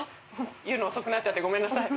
言うの遅くなっちゃってごめんなさい。